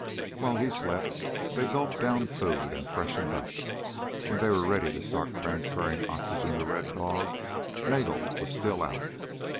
While he slept they gulped down food and freshened up. When they were ready to start transferring oxygen to Red Dog, Nagel was still out.